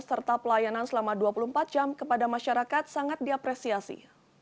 serta pelayanan selama dua puluh empat jam kepada masyarakat sangat diapresiasi